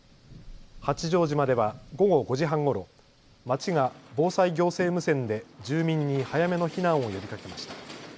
八丈島では午後５時半ごろ、町が防災行政無線で住民に早めの避難を呼びかけました。